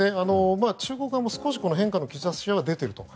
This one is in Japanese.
中国側も少し変化の兆しは出ていると。